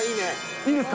いいですか？